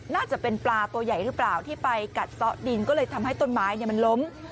น่าจะเป็นปลาตัวใหญ่หรือเปล่าที่ไปกัดซ้อดินก็เลยทำให้ต้นไม้มันล้ม